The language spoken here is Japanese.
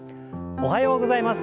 おはようございます。